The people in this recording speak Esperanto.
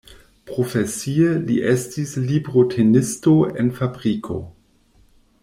Profesie li estis librotenisto en fabriko.